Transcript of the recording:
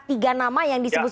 apakah tiga nama yang disampaikan